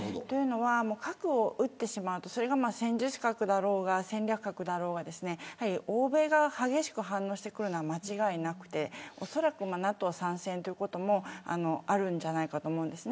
核を撃ってしまうとそれが戦術核だろうが戦略核だろうが欧米が激しく反応してくるのは間違いなくておそらくＮＡＴＯ参戦ということもあるんじゃないかと思います。